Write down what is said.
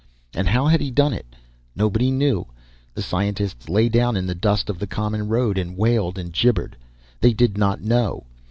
And how had he done it? Nobody knew. The scientists lay down in the dust of the common road and wailed and gibbered. They did not know.